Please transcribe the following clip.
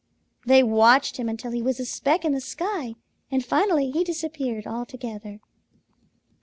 They watched him until he was a speck in the sky, and finally he disappeared altogether.